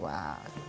tapi belum sempat